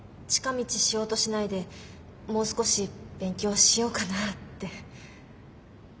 近道しようとしないでもう少し勉強しようかなって。